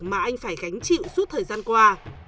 mà anh phải gánh chịu suốt thời gian qua